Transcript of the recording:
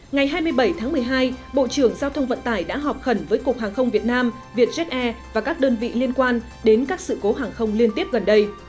ngày hai mươi bảy tháng một mươi hai bộ trưởng giao thông vận tải đã họp khẩn với cục hàng không việt nam vietjet air và các đơn vị liên quan đến các sự cố hàng không liên tiếp gần đây